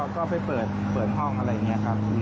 ก็ไปเปิดห้องอะไรอย่างนี้ครับ